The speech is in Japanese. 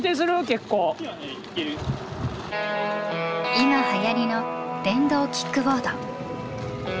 今はやりの電動キックボード。